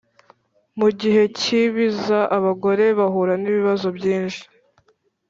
Mu gihe k ibiza abagore bahura n ibibazo byinshi